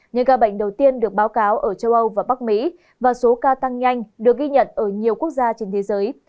những ca bệnh đầu tiên được báo cáo ở châu âu và bắc mỹ và số ca tăng nhanh được ghi nhận ở nhiều quốc gia trên thế giới